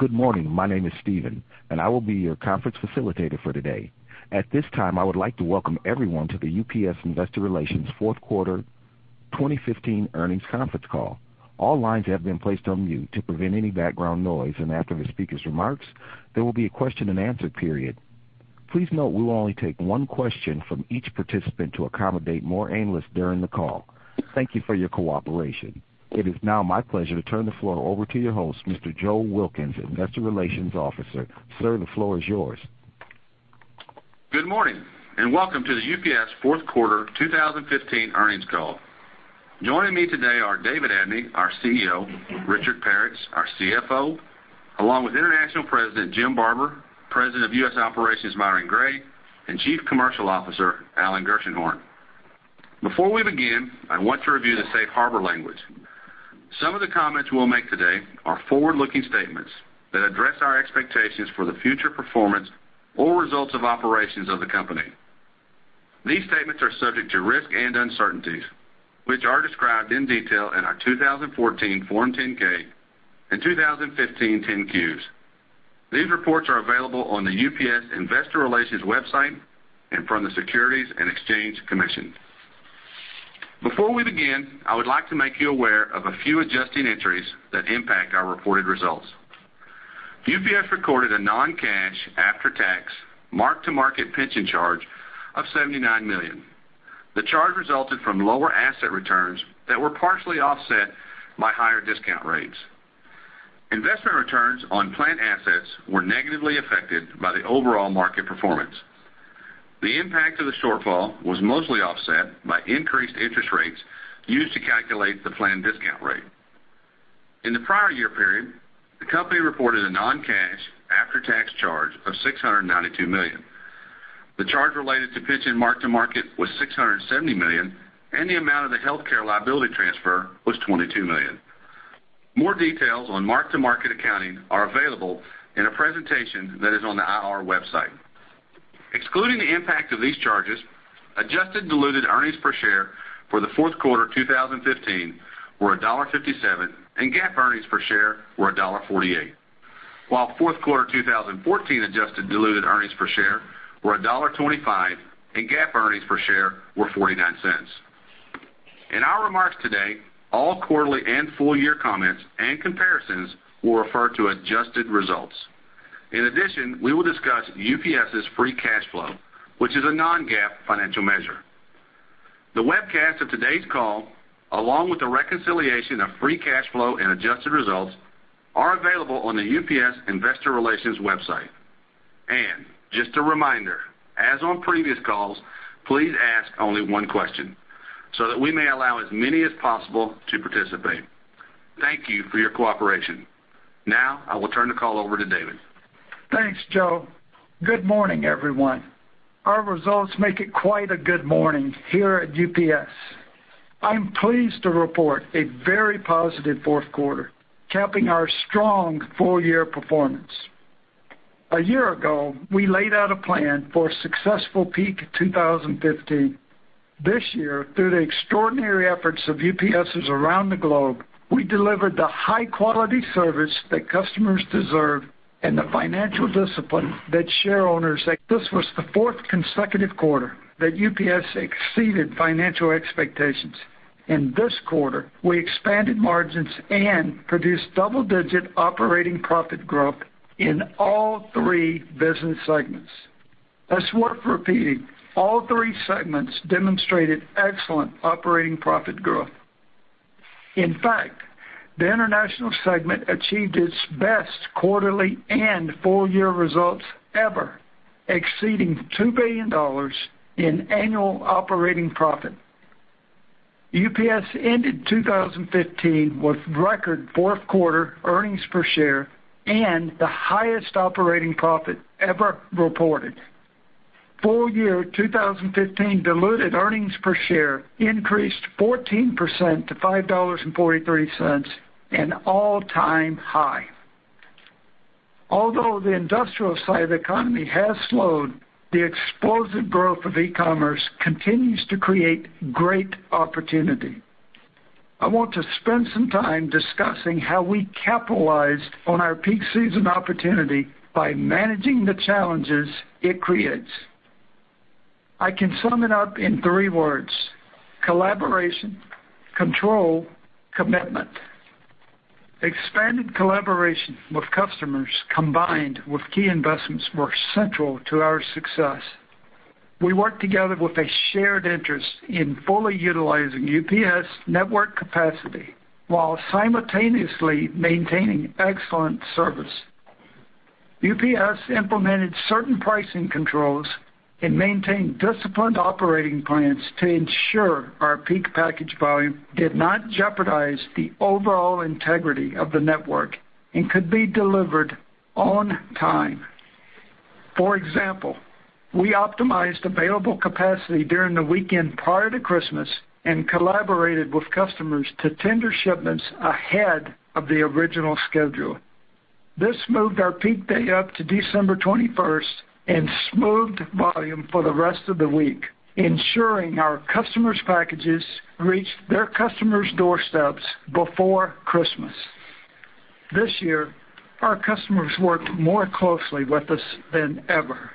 Good morning. My name is Steven and I will be your conference facilitator for today. At this time, I would like to welcome everyone to the UPS Investor Relations fourth quarter 2015 earnings conference call. All lines have been placed on mute to prevent any background noise. After the speaker's remarks, there will be a question and answer period. Please note we will only take one question from each participant to accommodate more analysts during the call. Thank you for your cooperation. It is now my pleasure to turn the floor over to your host, Mr. Joe Wilkins, Investor Relations Officer. Sir, the floor is yours. Good morning. Welcome to the UPS fourth quarter 2015 earnings call. Joining me today are David Abney, our CEO, Richard Peretz, our CFO, along with International President Jim Barber, President of U.S. Operations Myron Gray, and Chief Commercial Officer Alan Gershenhorn. Before we begin, I want to review the safe harbor language. Some of the comments we'll make today are forward-looking statements that address our expectations for the future performance or results of operations of the company. These statements are subject to risks and uncertainties, which are described in detail in our 2014 Form 10-K and 2015 10-Qs. These reports are available on the UPS Investor Relations website and from the Securities and Exchange Commission. Before we begin, I would like to make you aware of a few adjusting entries that impact our reported results. UPS recorded a non-cash after-tax mark-to-market pension charge of $79 million. The charge resulted from lower asset returns that were partially offset by higher discount rates. Investment returns on plan assets were negatively affected by the overall market performance. The impact of the shortfall was mostly offset by increased interest rates used to calculate the plan discount rate. In the prior year period, the company reported a non-cash after-tax charge of $692 million. The charge related to pension mark-to-market was $670 million. The amount of the healthcare liability transfer was $22 million. More details on mark-to-market accounting are available in a presentation that is on the IR website. Excluding the impact of these charges, adjusted diluted earnings per share for the fourth quarter 2015 were $1.57. GAAP earnings per share were $1.48. While fourth quarter 2014 adjusted diluted earnings per share were $1.25. GAAP earnings per share were $0.49. In our remarks today, all quarterly and full-year comments and comparisons will refer to adjusted results. In addition, we will discuss UPS's free cash flow, which is a non-GAAP financial measure. The webcast of today's call, along with the reconciliation of free cash flow and adjusted results, are available on the UPS Investor Relations website. Just a reminder, as on previous calls, please ask only one question, so that we may allow as many as possible to participate. Thank you for your cooperation. I will turn the call over to David. Thanks, Joe. Good morning, everyone. Our results make it quite a good morning here at UPS. I'm pleased to report a very positive fourth quarter, capping our strong full-year performance. A year ago, we laid out a plan for a successful peak 2015. This year, through the extraordinary efforts of UPSers around the globe, we delivered the high-quality service that customers deserve and the financial discipline that share owners This was the fourth consecutive quarter that UPS exceeded financial expectations. In this quarter, we expanded margins and produced double-digit operating profit growth in all three business segments. That's worth repeating. All three segments demonstrated excellent operating profit growth. In fact, the international segment achieved its best quarterly and full-year results ever, exceeding $2 billion in annual operating profit. UPS ended 2015 with record fourth quarter earnings per share and the highest operating profit ever reported. Full-year 2015 diluted earnings per share increased 14% to $5.43, an all-time high. Although the industrial side of the economy has slowed, the explosive growth of e-commerce continues to create great opportunity. I want to spend some time discussing how we capitalized on our peak season opportunity by managing the challenges it creates. I can sum it up in three words: collaboration, control, commitment. Expanded collaboration with customers combined with key investments were central to our success. We worked together with a shared interest in fully utilizing UPS network capacity while simultaneously maintaining excellent service. UPS implemented certain pricing controls and maintained disciplined operating plans to ensure our peak package volume did not jeopardize the overall integrity of the network and could be delivered on time. For example, we optimized available capacity during the weekend prior to Christmas and collaborated with customers to tender shipments ahead of the original schedule. This moved our peak day up to December 21st and smoothed volume for the rest of the week, ensuring our customers' packages reached their customers' doorsteps before Christmas. This year, our customers worked more closely with us than ever,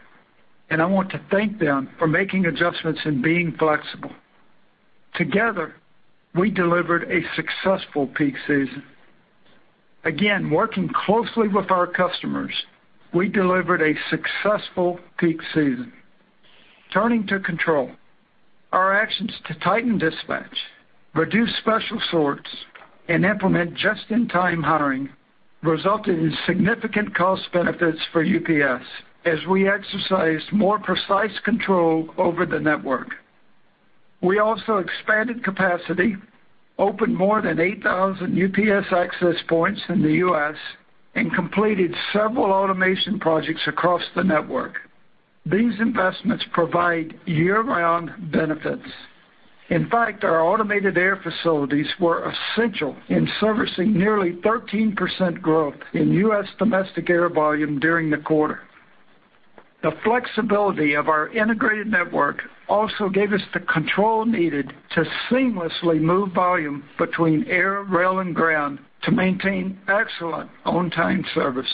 and I want to thank them for making adjustments and being flexible. Together, we delivered a successful peak season. Again, working closely with our customers, we delivered a successful peak season. Turning to control. Our actions to tighten dispatch, reduce special sorts, and implement just-in-time hiring resulted in significant cost benefits for UPS as we exercised more precise control over the network. We also expanded capacity, opened more than 8,000 UPS Access Points in the U.S., and completed several automation projects across the network. These investments provide year-round benefits. In fact, our automated air facilities were essential in servicing nearly 13% growth in U.S. domestic air volume during the quarter. The flexibility of our integrated network also gave us the control needed to seamlessly move volume between air, rail, and ground to maintain excellent on-time service.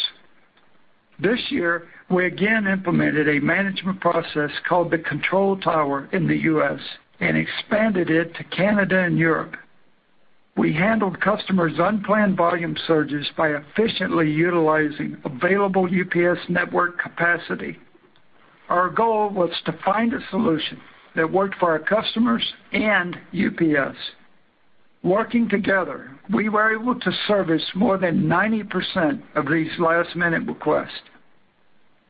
This year, we again implemented a management process called the control tower in the U.S. and expanded it to Canada and Europe. We handled customers' unplanned volume surges by efficiently utilizing available UPS network capacity. Our goal was to find a solution that worked for our customers and UPS. Working together, we were able to service more than 90% of these last-minute requests.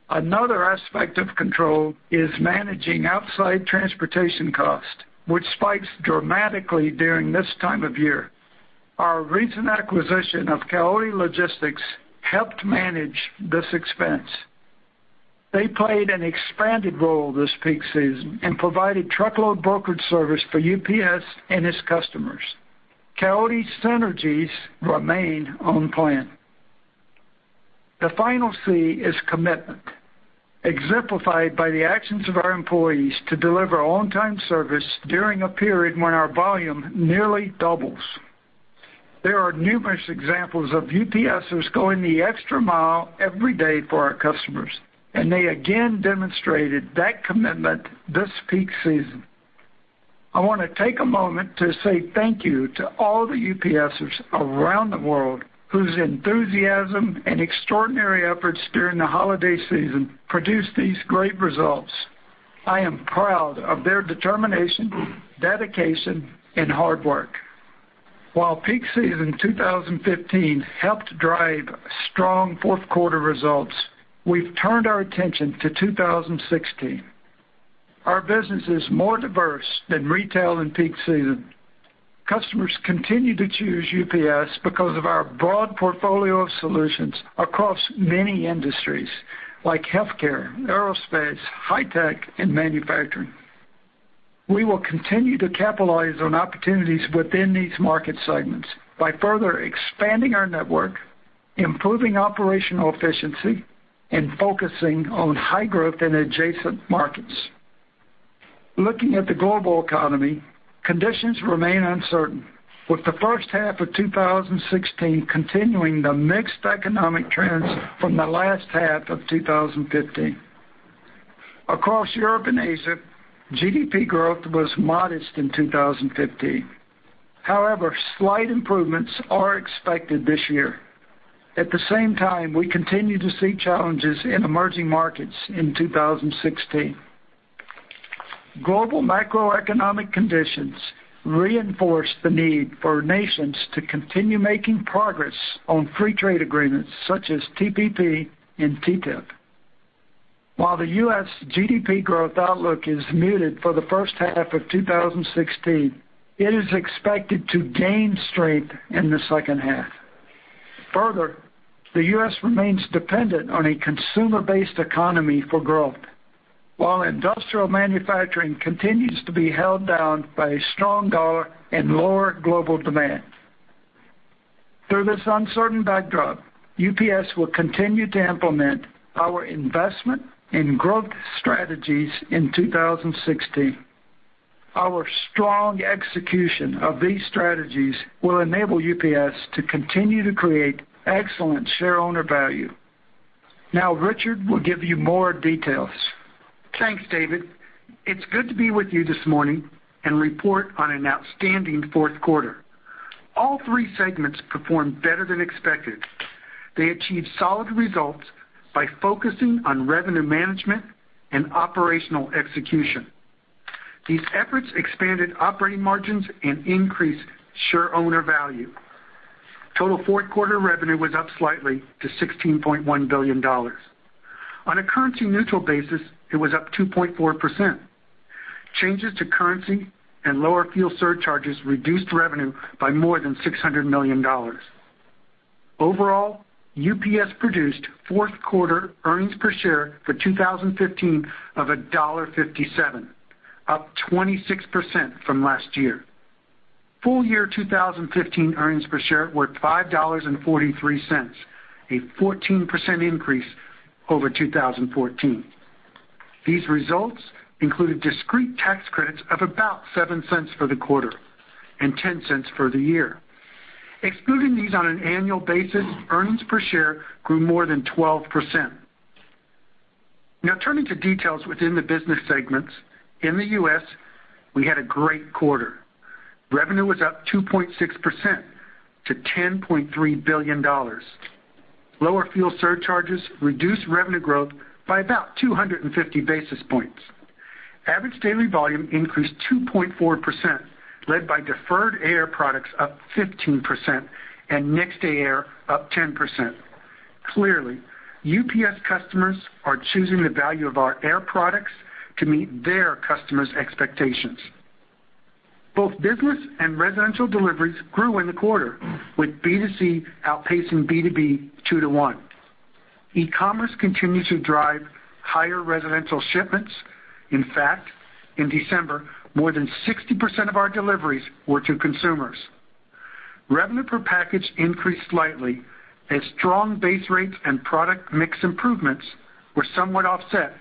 Another aspect of control is managing outside transportation cost, which spikes dramatically during this time of year. Our recent acquisition of Coyote Logistics helped manage this expense. They played an expanded role this peak season and provided truckload brokerage service for UPS and its customers. Coyote synergies remain on plan. The final C is commitment, exemplified by the actions of our employees to deliver on-time service during a period when our volume nearly doubles. There are numerous examples of UPSers going the extra mile every day for our customers, and they again demonstrated that commitment this peak season. I want to take a moment to say thank you to all the UPSers around the world whose enthusiasm and extraordinary efforts during the holiday season produced these great results. I am proud of their determination, dedication, and hard work. While peak season 2015 helped drive strong fourth quarter results, we've turned our attention to 2016. Our business is more diverse than retail and peak season. Customers continue to choose UPS because of our broad portfolio of solutions across many industries, like healthcare, aerospace, high tech, and manufacturing. We will continue to capitalize on opportunities within these market segments by further expanding our network, improving operational efficiency, and focusing on high growth in adjacent markets. Looking at the global economy, conditions remain uncertain, with the first half of 2016 continuing the mixed economic trends from the last half of 2015. Across Europe and Asia, GDP growth was modest in 2015. However, slight improvements are expected this year. At the same time, we continue to see challenges in emerging markets in 2016. Global macroeconomic conditions reinforce the need for nations to continue making progress on free trade agreements such as TPP and T-TIP. While the U.S. GDP growth outlook is muted for the first half of 2016, it is expected to gain strength in the second half. Further, the U.S. remains dependent on a consumer-based economy for growth while industrial manufacturing continues to be held down by a strong dollar and lower global demand. Through this uncertain backdrop, UPS will continue to implement our investment and growth strategies in 2016. Our strong execution of these strategies will enable UPS to continue to create excellent shareowner value. Now, Richard will give you more details. Thanks, David. It's good to be with you this morning and report on an outstanding fourth quarter. All three segments performed better than expected. They achieved solid results by focusing on revenue management and operational execution. These efforts expanded operating margins and increased shareowner value. Total fourth quarter revenue was up slightly to $16.1 billion. On a currency-neutral basis, it was up 2.4%. Changes to currency and lower fuel surcharges reduced revenue by more than $600 million. Overall, UPS produced fourth quarter earnings per share for 2015 of $1.57, up 26% from last year. Full year 2015 earnings per share were $5.43, a 14% increase over 2014. These results included discrete tax credits of about $0.07 for the quarter and $0.10 for the year. Excluding these on an annual basis, earnings per share grew more than 12%. Now turning to details within the business segments. In the U.S., we had a great quarter. Revenue was up 2.6% to $10.3 billion. Lower fuel surcharges reduced revenue growth by about 250 basis points. Average daily volume increased 2.4%, led by deferred air products up 15% and next-day air up 10%. Clearly, UPS customers are choosing the value of our air products to meet their customers' expectations. Both business and residential deliveries grew in the quarter, with B2C outpacing B2B two to one. E-commerce continues to drive higher residential shipments. In fact, in December, more than 60% of our deliveries were to consumers. Revenue per package increased slightly as strong base rates and product mix improvements were somewhat offset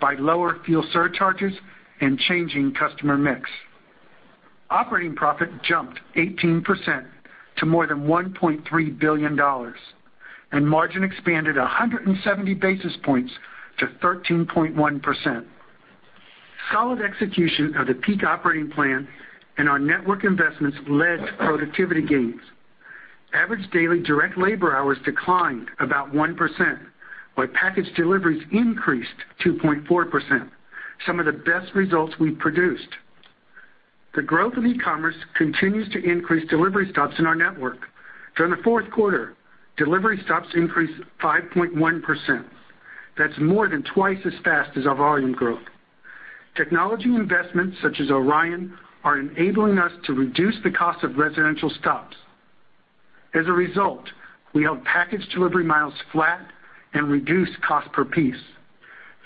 by lower fuel surcharges and changing customer mix. Operating profit jumped 18% to more than $1.3 billion, and margin expanded 170 basis points to 13.1%. Solid execution of the peak operating plan and our network investments led to productivity gains. Average daily direct labor hours declined about 1%, while package deliveries increased 2.4%, some of the best results we've produced. The growth of e-commerce continues to increase delivery stops in our network. During the fourth quarter, delivery stops increased 5.1%. That's more than twice as fast as our volume growth. Technology investments such as ORION are enabling us to reduce the cost of residential stops. As a result, we held package delivery miles flat and reduced cost per piece.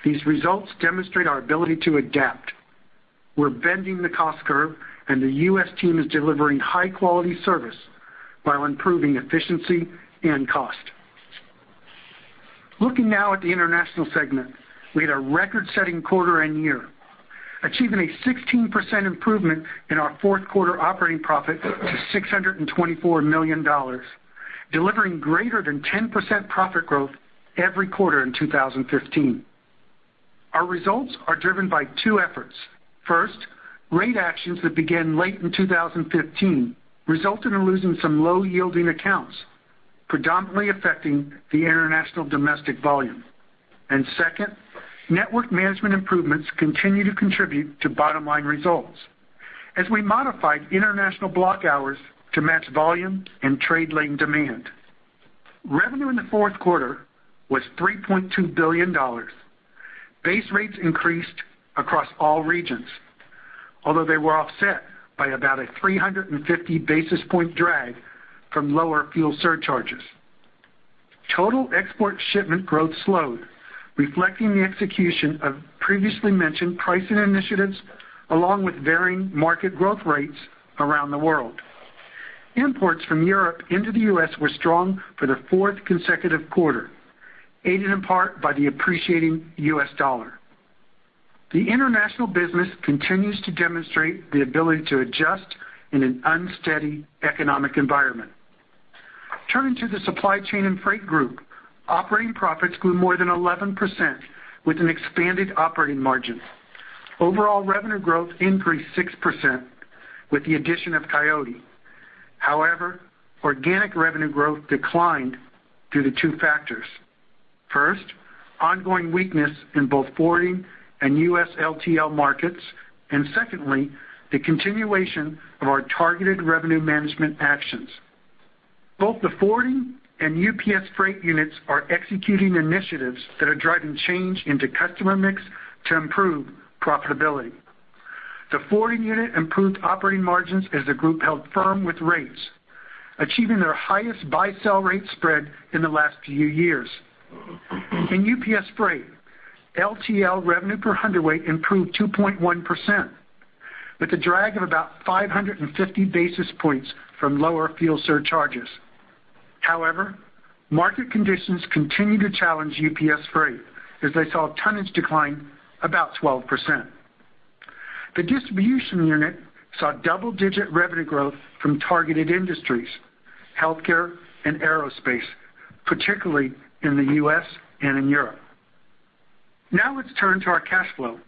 These results demonstrate our ability to adapt. We're bending the cost curve, and the U.S. team is delivering high-quality service while improving efficiency and cost. Looking now at the international segment, we had a record-setting quarter and year, achieving a 16% improvement in our fourth quarter operating profit to $624 million, delivering greater than 10% profit growth every quarter in 2015. Our results are driven by two efforts. First, rate actions that began late in 2015 resulted in losing some low-yielding accounts, predominantly affecting the international domestic volume. Second, network management improvements continue to contribute to bottom-line results as we modified international block hours to match volume and trade lane demand. Revenue in the fourth quarter was $3.2 billion. Base rates increased across all regions, although they were offset by about a 350 basis point drag from lower fuel surcharges. Total export shipment growth slowed, reflecting the execution of previously mentioned pricing initiatives, along with varying market growth rates around the world. Imports from Europe into the U.S. were strong for the fourth consecutive quarter, aided in part by the appreciating U.S. dollar. The international business continues to demonstrate the ability to adjust in an unsteady economic environment. Turning to the supply chain and freight group, operating profits grew more than 11% with an expanded operating margin. Overall revenue growth increased 6% with the addition of Coyote. However, organic revenue growth declined due to two factors. First, ongoing weakness in both forwarding and U.S. LTL markets. Secondly, the continuation of our targeted revenue management actions. Both the forwarding and UPS Freight units are executing initiatives that are driving change into customer mix to improve profitability. The forwarding unit improved operating margins as the group held firm with rates, achieving their highest buy-sell rate spread in the last few years. In UPS Freight, LTL revenue per hundredweight improved 2.1%, with a drag of about 550 basis points from lower fuel surcharges. Market conditions continue to challenge UPS Freight as they saw tonnage decline about 12%. The distribution unit saw double-digit revenue growth from targeted industries, healthcare and aerospace, particularly in the U.S. and in Europe. Let's turn to our cash flow.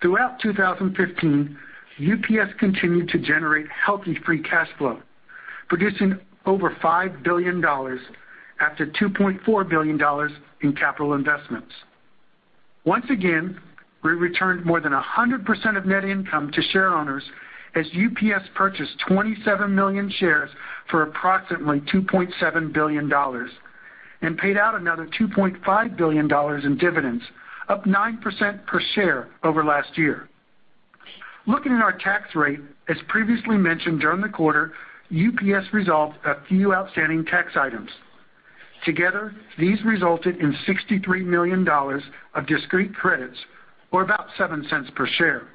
Throughout 2015, UPS continued to generate healthy free cash flow, producing over $5 billion after $2.4 billion in capital investments. Once again, we returned more than 100% of net income to share owners as UPS purchased 27 million shares for approximately $2.7 billion and paid out another $2.5 billion in dividends, up 9% per share over last year. Looking at our tax rate, as previously mentioned during the quarter, UPS resolved a few outstanding tax items. Together, these resulted in $63 million of discrete credits or about $0.07 per share.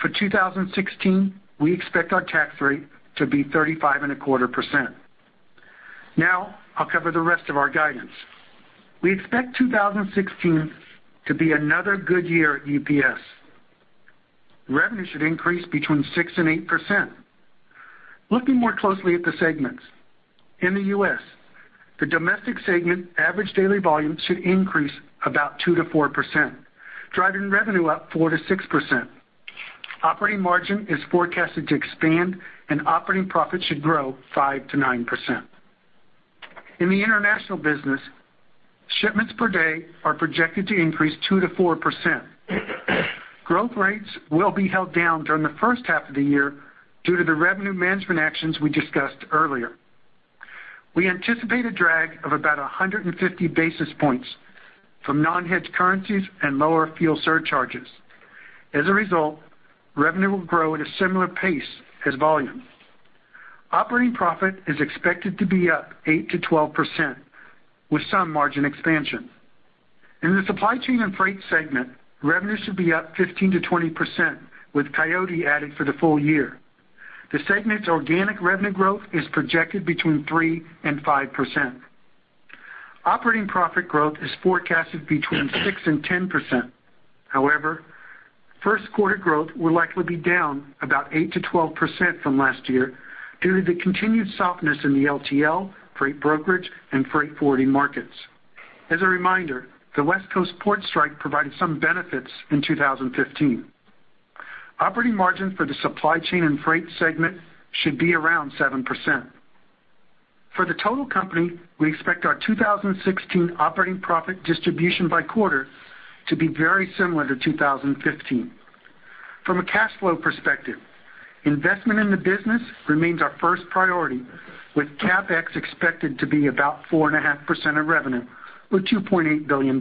For 2016, we expect our tax rate to be 35.25%. I'll cover the rest of our guidance. We expect 2016 to be another good year at UPS. Revenue should increase between 6%-8%. Looking more closely at the segments. In the U.S., the domestic segment average daily volume should increase about 2%-4%, driving revenue up 4%-6%. Operating margin is forecasted to expand, and operating profit should grow 5%-9%. In the international business, shipments per day are projected to increase 2%-4%. Growth rates will be held down during the first half of the year due to the revenue management actions we discussed earlier. We anticipate a drag of about 150 basis points from non-hedged currencies and lower fuel surcharges. Revenue will grow at a similar pace as volume. Operating profit is expected to be up 8%-12%, with some margin expansion. In the supply chain and freight segment, revenue should be up 15%-20%, with Coyote added for the full year. The segment's organic revenue growth is projected between 3%-5%. Operating profit growth is forecasted between 6%-10%. First quarter growth will likely be down about 8%-12% from last year due to the continued softness in the LTL, freight brokerage, and freight forwarding markets. The West Coast port strike provided some benefits in 2015. Operating margin for the supply chain and freight segment should be around 7%. For the total company, we expect our 2016 operating profit distribution by quarter to be very similar to 2015. From a cash flow perspective, investment in the business remains our first priority, with CapEx expected to be about 4.5% of revenue, or $2.8 billion.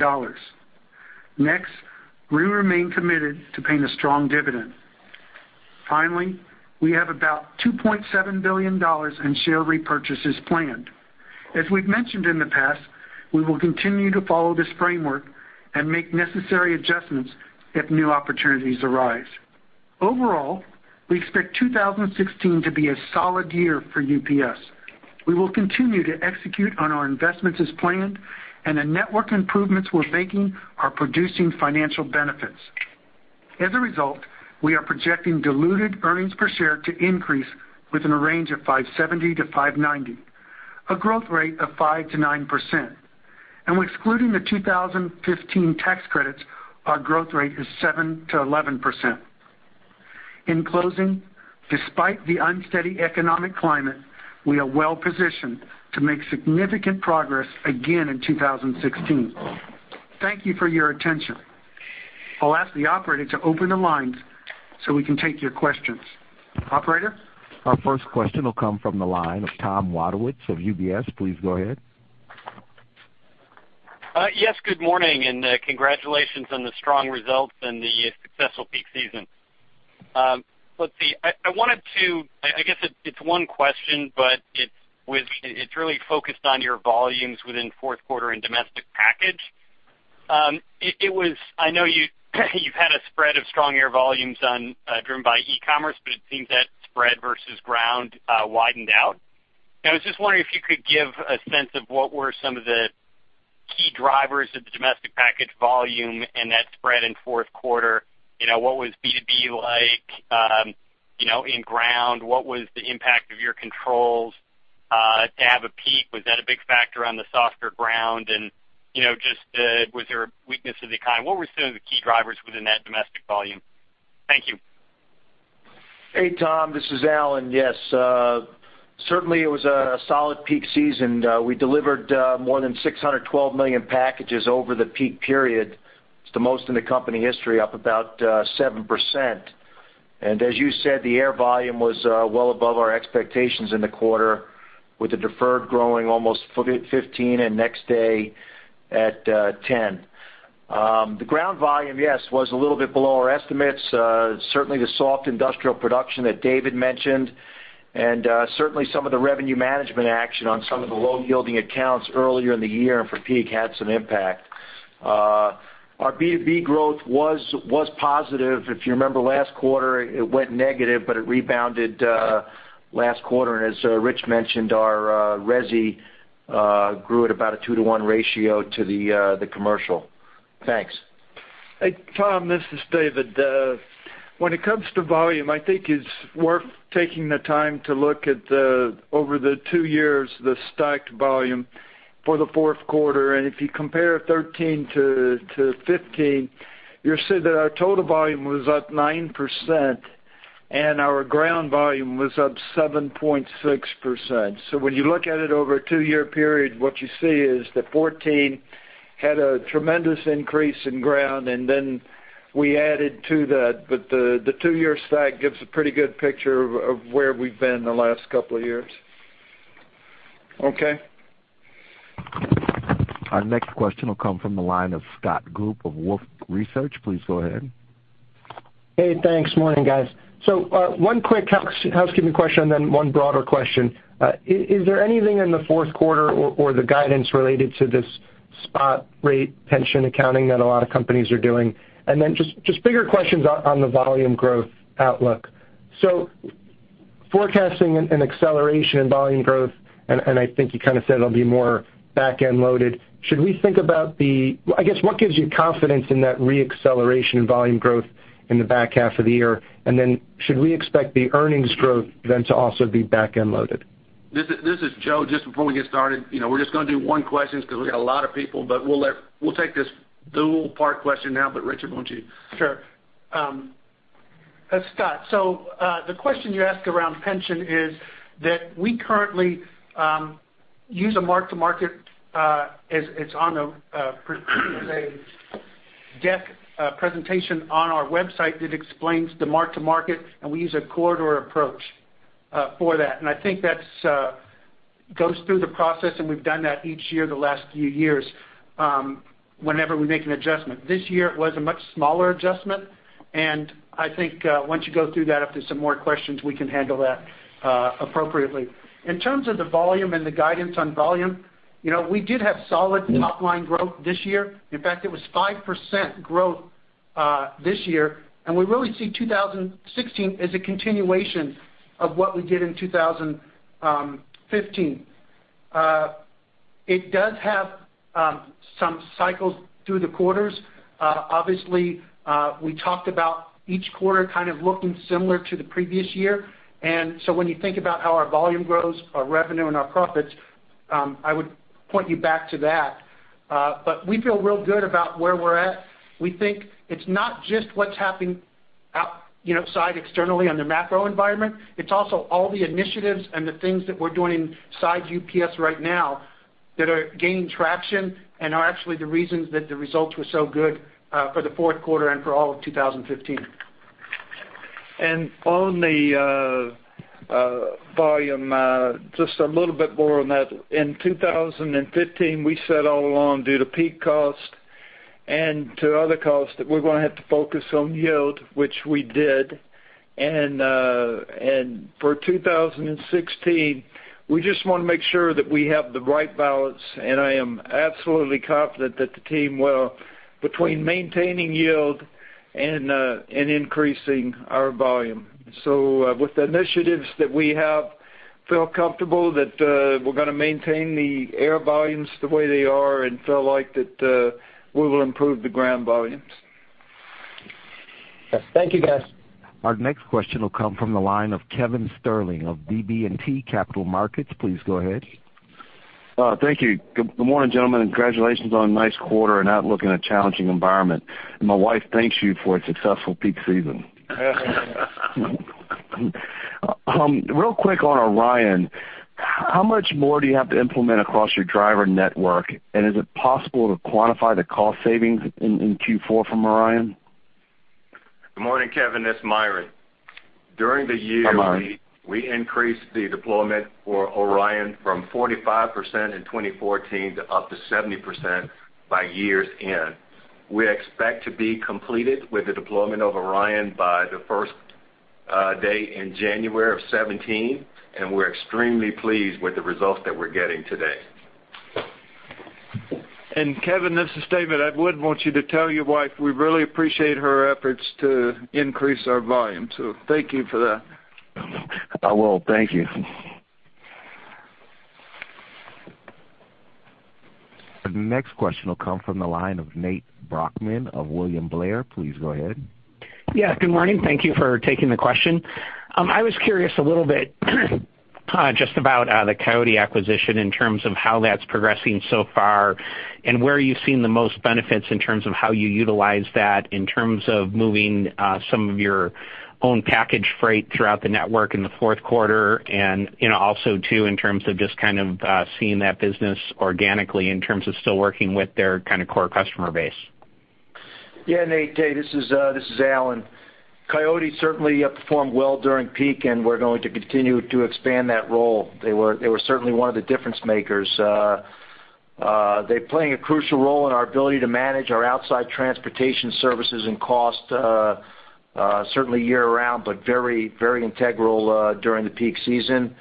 We remain committed to paying a strong dividend. We have about $2.7 billion in share repurchases planned. As we've mentioned in the past, we will continue to follow this framework and make necessary adjustments if new opportunities arise. We expect 2016 to be a solid year for UPS. We will continue to execute on our investments as planned, and the network improvements we're making are producing financial benefits. We are projecting diluted earnings per share to increase within a range of $5.70-$5.90, a growth rate of 5%-9%. Excluding the 2015 tax credits, our growth rate is 7%-11%. In closing, despite the unsteady economic climate, we are well-positioned to make significant progress again in 2016. Thank you for your attention. I'll ask the operator to open the lines so we can take your questions. Operator? Our first question will come from the line of Tom Wadewitz of UBS. Please go ahead. Yes, good morning, congratulations on the strong results and the successful peak season. Let's see. I guess it's one question, but it's really focused on your volumes within fourth quarter and domestic package. I know you've had a spread of strong air volumes driven by e-commerce, but it seems that spread versus ground widened out. I was just wondering if you could give a sense of what were some of the key drivers of the domestic package volume and that spread in fourth quarter. What was B2B like in ground? What was the impact of your controls to have a peak? Was that a big factor on the softer ground? Just was there a weakness of the kind? What were some of the key drivers within that domestic volume? Thank you. Hey, Tom. This is Alan. Yes. Certainly, it was a solid peak season. We delivered more than 612 million packages over the peak period. It's the most in the company history, up about 7%. As you said, the air volume was well above our expectations in the quarter, with the deferred growing almost 15% and next day at 10%. The ground volume, yes, was a little bit below our estimates. Certainly, the soft industrial production that David mentioned, and certainly some of the revenue management action on some of the low-yielding accounts earlier in the year and for peak had some impact. Our B2B growth was positive. If you remember last quarter, it went negative, but it rebounded last quarter. As Rich mentioned, our resi grew at about a two to one ratio to the commercial. Thanks. Tom, this is David. When it comes to volume, I think it's worth taking the time to look at over the two years, the stacked volume for the fourth quarter. If you compare 2013 to 2015, you'll see that our total volume was up 9% and our ground volume was up 7.6%. When you look at it over a two-year period, what you see is that 2014 had a tremendous increase in ground, and then we added to that. The two-year stack gives a pretty good picture of where we've been the last couple of years. Okay. Our next question will come from the line of Scott Group of Wolfe Research. Please go ahead. Hey, thanks. Morning, guys. One quick housekeeping question, then one broader question. Is there anything in the fourth quarter or the guidance related to this spot rate pension accounting that a lot of companies are doing, then just bigger questions on the volume growth outlook. Forecasting an acceleration in volume growth, and I think you kind of said it'll be more back-end loaded. I guess, what gives you confidence in that re-acceleration in volume growth in the back half of the year? Should we expect the earnings growth then to also be back-end loaded? This is Joe Wilkins. Just before we get started, we're just going to do one question because we've got a lot of people, but we'll take this dual part question now. Richard Peretz, why don't you? Sure. Scott Group, the question you ask around pension is that we currently use a mark-to-market. There's a deck presentation on our website that explains the mark-to-market, and we use a corridor approach for that. I think that goes through the process, and we've done that each year the last few years whenever we make an adjustment. This year it was a much smaller adjustment, and I think once you go through that, if there's some more questions, we can handle that appropriately. In terms of the volume and the guidance on volume, we did have solid top-line growth this year. In fact, it was 5% growth this year, and we really see 2016 as a continuation of what we did in 2015. It does have some cycles through the quarters. Obviously, we talked about each quarter kind of looking similar to the previous year. When you think about how our volume grows, our revenue and our profits, I would point you back to that. We feel real good about where we're at. We think it's not just what's happening outside externally on the macro environment, it's also all the initiatives and the things that we're doing inside UPS right now that are gaining traction and are actually the reasons that the results were so good for the fourth quarter and for all of 2015. On the volume, just a little bit more on that. In 2015, we said all along, due to peak cost and to other costs, that we're going to have to focus on yield, which we did. For 2016, we just want to make sure that we have the right balance, and I am absolutely confident that the team will, between maintaining yield and increasing our volume. With the initiatives that we have, feel comfortable that we're going to maintain the air volumes the way they are and feel like that we will improve the ground volumes. Thank you, guys. Our next question will come from the line of Kevin Sterling of BB&T Capital Markets. Please go ahead. Thank you. Good morning, gentlemen, and congratulations on a nice quarter and outlook in a challenging environment. My wife thanks you for a successful peak season. Real quick on ORION, how much more do you have to implement across your driver network, and is it possible to quantify the cost savings in Q4 from ORION? Good morning, Kevin. This is Myron. Hi, Myron. During the year, we increased the deployment for ORION from 45% in 2014 to up to 70% by year's end. We expect to be completed with the deployment of ORION by the first day in January of 2017, and we're extremely pleased with the results that we're getting today. Kevin, this is David. I would want you to tell your wife we really appreciate her efforts to increase our volume. Thank you for that. I will. Thank you. The next question will come from the line of Nate Brockman of William Blair. Please go ahead. Yeah, good morning. Thank you for taking the question. I was curious a little bit just about the Coyote acquisition in terms of how that's progressing so far and where you've seen the most benefits in terms of how you utilize that, in terms of moving some of your own package freight throughout the network in the fourth quarter and also too, in terms of just kind of seeing that business organically in terms of still working with their kind of core customer base. Yeah, Nate. This is Alan. Coyote certainly performed well during peak, we're going to continue to expand that role. They were certainly one of the difference makers. They're playing a crucial role in our ability to manage our outside transportation services and cost, certainly year round, but very integral during the peak season.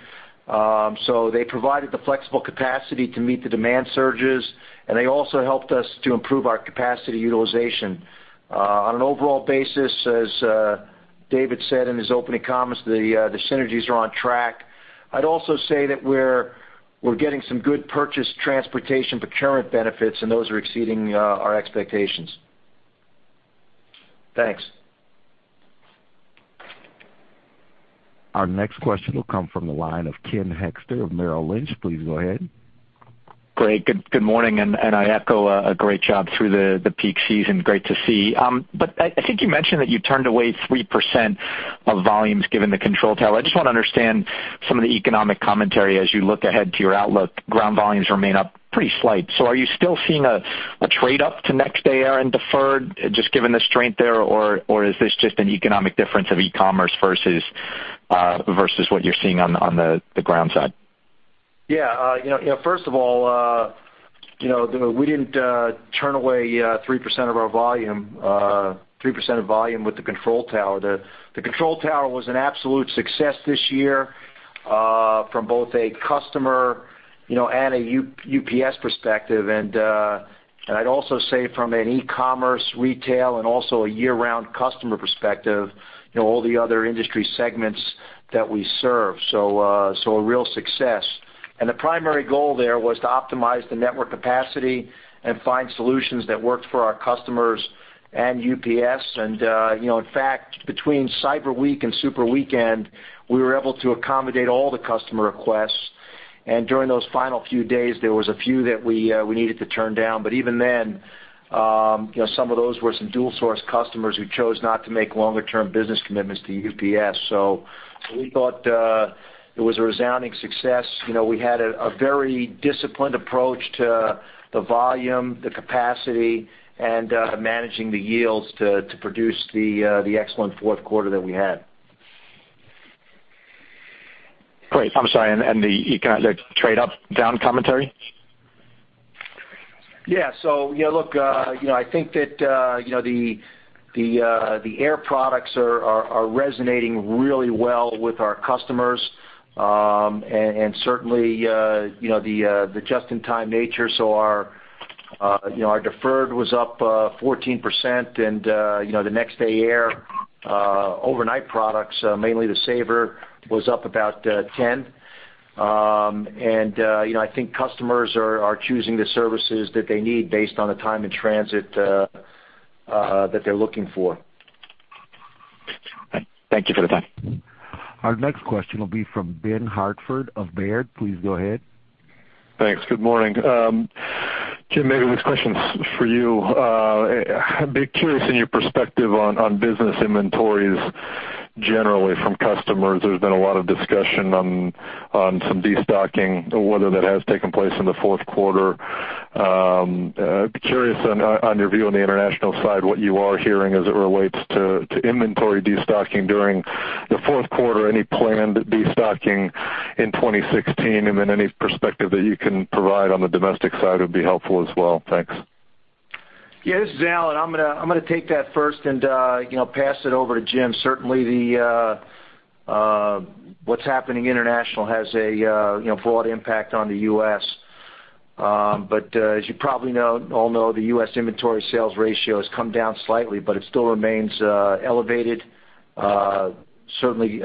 They provided the flexible capacity to meet the demand surges, they also helped us to improve our capacity utilization. On an overall basis, as David said in his opening comments, the synergies are on track. I'd also say that we're getting some good purchase transportation procurement benefits, those are exceeding our expectations. Thanks. Our next question will come from the line of Ken Hoexter of Merrill Lynch. Please go ahead. Great. Good morning. I echo a great job through the peak season. Great to see. I think you mentioned that you turned away 3% of volumes given the control tower. I just want to understand some of the economic commentary as you look ahead to your outlook. Ground volumes remain up pretty slight. Are you still seeing a trade-up to next day air and deferred, just given the strength there? Or is this just an economic difference of e-commerce versus what you're seeing on the ground side? Yeah. First of all, we didn't turn away 3% of volume with the control tower. The control tower was an absolute success this year. From both a customer and a UPS perspective. I'd also say from an e-commerce, retail, and also a year-round customer perspective, all the other industry segments that we serve. A real success. The primary goal there was to optimize the network capacity and find solutions that worked for our customers and UPS. In fact, between Cyber Week and Super Weekend, we were able to accommodate all the customer requests, and during those final few days, there was a few that we needed to turn down. Even then, some of those were some dual-source customers who chose not to make longer-term business commitments to UPS. We thought it was a resounding success. We had a very disciplined approach to the volume, the capacity, and managing the yields to produce the excellent fourth quarter that we had. Great. I'm sorry, the trade up-down commentary? Yeah. Look, I think that the air products are resonating really well with our customers, and certainly, the just-in-time nature. Our deferred was up 14%, and the next-day air overnight products, mainly the saver, was up about 10%. I think customers are choosing the services that they need based on the time and transit that they're looking for. Thank you for the time. Our next question will be from Ben Hartford of Baird. Please go ahead. Thanks. Good morning. Jim, maybe this question is for you. I'd be curious in your perspective on business inventories generally from customers. There's been a lot of discussion on some destocking or whether that has taken place in the fourth quarter. I'd be curious on your view on the international side, what you are hearing as it relates to inventory destocking during the fourth quarter, any planned destocking in 2016, and then any perspective that you can provide on the domestic side would be helpful as well. Thanks. This is Alan. I'm going to take that first and pass it over to Jim. Certainly, what's happening international has a broad impact on the U.S. As you probably all know, the U.S. inventory sales ratio has come down slightly, but it still remains elevated, certainly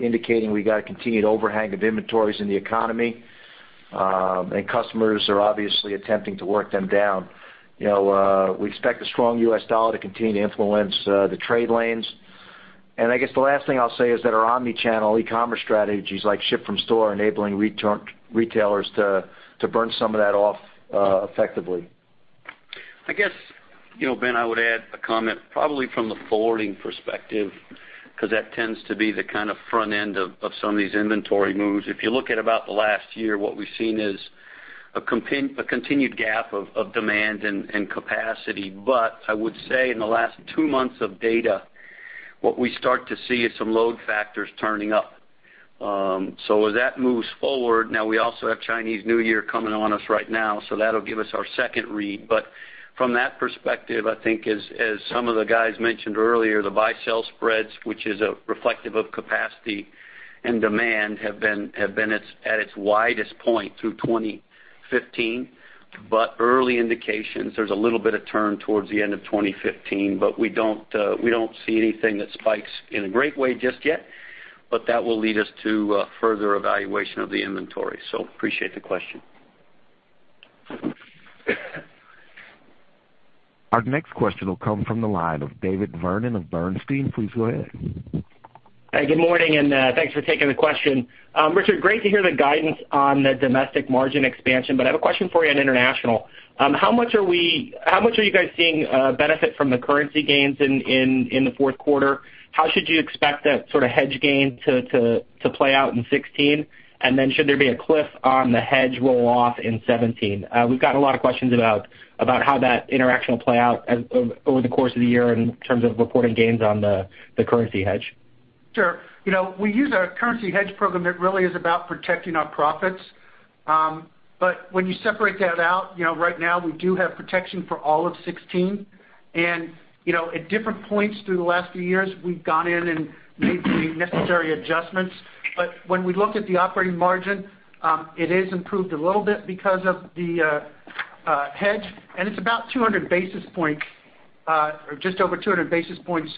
indicating we got a continued overhang of inventories in the economy. Customers are obviously attempting to work them down. We expect the strong U.S. dollar to continue to influence the trade lanes. I guess the last thing I'll say is that our omnichannel e-commerce strategies like ship from store, enabling retailers to burn some of that off effectively. I guess, Ben, I would add a comment probably from the forwarding perspective, because that tends to be the kind of front end of some of these inventory moves. If you look at about the last year, what we've seen is a continued gap of demand and capacity. I would say in the last 2 months of data, what we start to see is some load factors turning up. As that moves forward, now we also have Chinese New Year coming on us right now, that'll give us our second read. From that perspective, I think as some of the guys mentioned earlier, the buy-sell spreads, which is reflective of capacity and demand, have been at its widest point through 2015. Early indications, there's a little bit of turn towards the end of 2015, but we don't see anything that spikes in a great way just yet. That will lead us to further evaluation of the inventory. Appreciate the question. Our next question will come from the line of David Vernon of Bernstein. Please go ahead. Hi, good morning, and thanks for taking the question. Richard, great to hear the guidance on the domestic margin expansion. I have a question for you on international. How much are you guys seeing a benefit from the currency gains in the fourth quarter? How should you expect that sort of hedge gain to play out in 2016? Should there be a cliff on the hedge roll-off in 2017? We've got a lot of questions about how that interaction will play out over the course of the year in terms of reporting gains on the currency hedge. Sure. We use our currency hedge program that really is about protecting our profits. When you separate that out, right now we do have protection for all of 2016. At different points through the last few years, we've gone in and made the necessary adjustments. When we look at the operating margin, it is improved a little bit because of the hedge, and it's about 200 basis points, or just over 200 basis points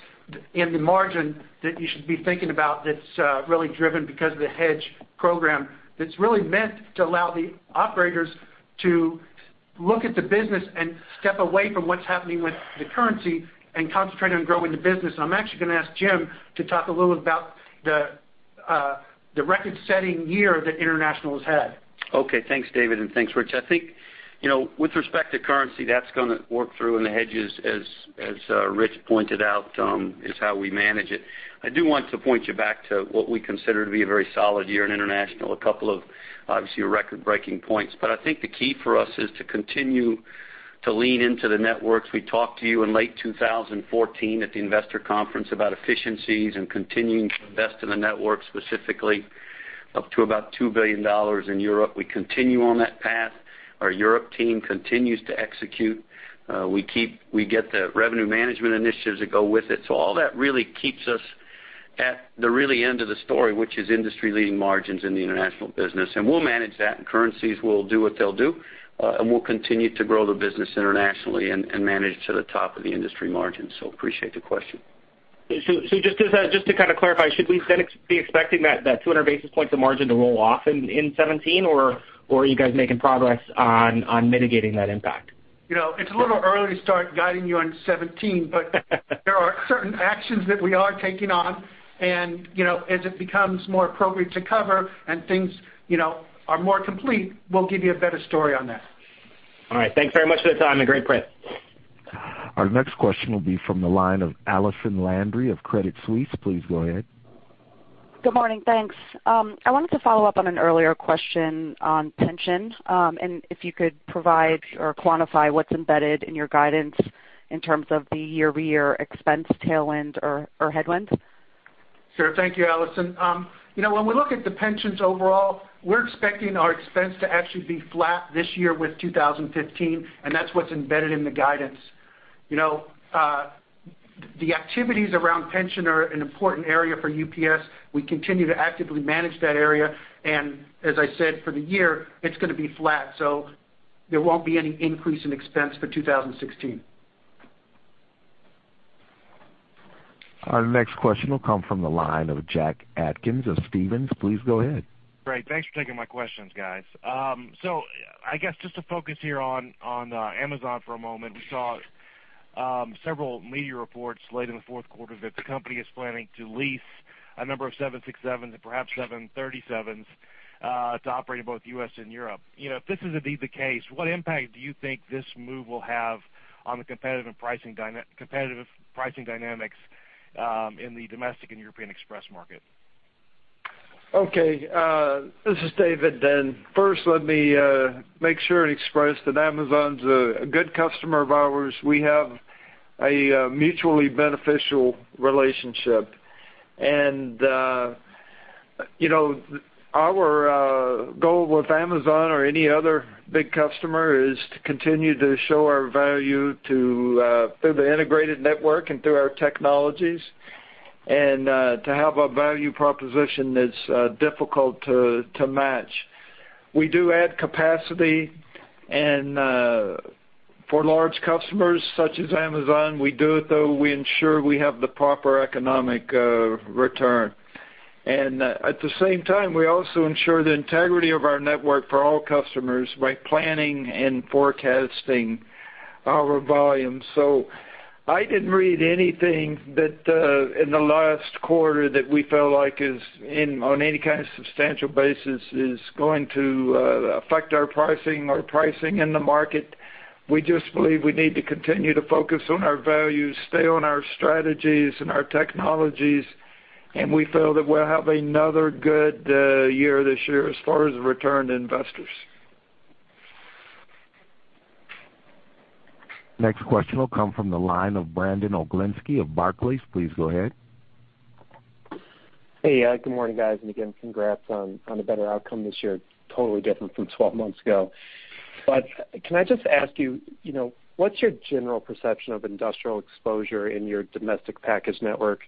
in the margin that you should be thinking about that's really driven because of the hedge program that's really meant to allow the operators to look at the business and step away from what's happening with the currency and concentrate on growing the business. I'm actually going to ask Jim to talk a little about the record-setting year that international has had. Okay. Thanks, David, and thanks, Rich. I think with respect to currency, that's going to work through in the hedges, as Rich pointed out, is how we manage it. I do want to point you back to what we consider to be a very solid year in international, a couple of obviously record-breaking points. I think the key for us is to continue to lean into the networks. We talked to you in late 2014 at the investor conference about efficiencies and continuing to invest in the network, specifically up to about $2 billion in Europe. We continue on that path. Our Europe team continues to execute. We get the revenue management initiatives that go with it. All that really keeps us At the really end of the story, which is industry-leading margins in the international business. We'll manage that, and currencies will do what they'll do, and we'll continue to grow the business internationally and manage to the top of the industry margins. Appreciate the question. Just to kind of clarify, should we then be expecting that 200 basis point to margin to roll off in 2017, or are you guys making progress on mitigating that impact? It's a little early to start guiding you on 2017, there are certain actions that we are taking on. As it becomes more appropriate to cover and things are more complete, we'll give you a better story on that. All right. Thanks very much for the time and great print. Our next question will be from the line of Allison Landry of Credit Suisse. Please go ahead. Good morning. Thanks. I wanted to follow up on an earlier question on pension. If you could provide or quantify what's embedded in your guidance in terms of the year-over-year expense tailwind or headwind. Sure. Thank you, Allison. When we look at the pensions overall, we're expecting our expense to actually be flat this year with 2015. That's what's embedded in the guidance. The activities around pension are an important area for UPS. We continue to actively manage that area. As I said, for the year, it's going to be flat. There won't be any increase in expense for 2016. Our next question will come from the line of Jack Atkins of Stephens. Please go ahead. Great. Thanks for taking my questions, guys. I guess just to focus here on Amazon for a moment. We saw several media reports late in the fourth quarter that the company is planning to lease a number of 767s and perhaps 737s to operate in both U.S. and Europe. If this is indeed the case, what impact do you think this move will have on the competitive pricing dynamics in the domestic and European express market? Okay. This is David. First, let me make sure and express that Amazon's a good customer of ours. We have a mutually beneficial relationship. Our goal with Amazon or any other big customer is to continue to show our value through the integrated network and through our technologies and to have a value proposition that's difficult to match. We do add capacity. For large customers such as Amazon, we do it though we ensure we have the proper economic return. At the same time, we also ensure the integrity of our network for all customers by planning and forecasting our volume. I didn't read anything in the last quarter that we felt like is, on any kind of substantial basis, is going to affect our pricing or pricing in the market. We just believe we need to continue to focus on our values, stay on our strategies and our technologies, and we feel that we'll have another good year this year as far as return to investors. Next question will come from the line of Brandon Oglenski of Barclays. Please go ahead. Hey. Good morning, guys. Again, congrats on a better outcome this year, totally different from 12 months ago. Can I just ask you, what's your general perception of industrial exposure in your domestic package network?